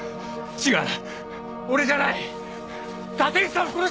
違う！